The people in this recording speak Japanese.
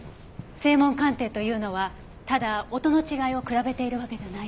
声紋鑑定というのはただ音の違いを比べているわけじゃないの。